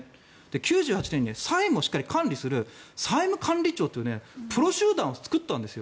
９８年に債務を管理する債務管理庁というプロ集団を作ったんですよ。